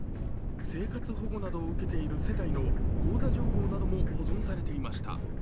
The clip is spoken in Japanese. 生活保護などを受けている世帯の口座情報なども保存されていました。